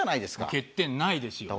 欠点ないですよね。